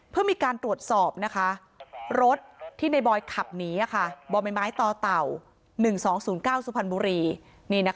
เพื่อมีการตรวจสอบรถที่ในบอยขับหนีบ่อใบไม้ต่อเต่า๑๒๐๙สุพรรณบุรี